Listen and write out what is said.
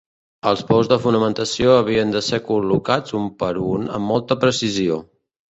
Els pous de fonamentació havien de ser col·locats un per un amb molta precisió.